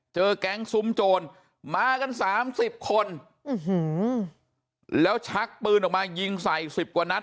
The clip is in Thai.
เจอแก๊งซุ้มโจรมากัน๓๐คนแล้วชักปืนออกมายิงใส่๑๐กว่านัด